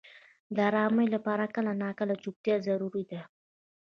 • د آرامۍ لپاره کله ناکله چوپتیا ضروري ده.